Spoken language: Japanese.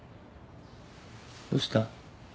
どうした？